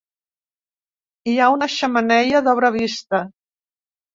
Hi ha una xemeneia d'obra vista.